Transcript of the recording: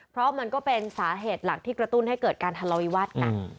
เพราะมันก็เป็นสาเหตุหลักที่กระตุ้นให้เกิดการทะเลาวิวาสกัน